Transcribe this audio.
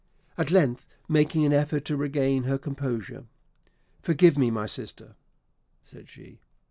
At length, making an effort to regain her composure, "Forgive me, my sister!" said she.